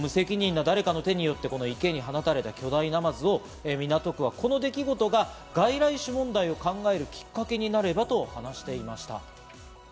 無責任な誰かの手によって池に放たれた巨大ナマズを港区はこの出来事が外来種問題を考えるきっかけになればと話していました。